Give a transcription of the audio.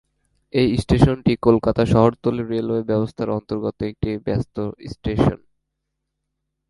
এই স্টেশনটি কলকাতা শহরতলি রেলওয়ে ব্যবস্থার অন্তর্গত একটি ব্যস্ত স্টেশন।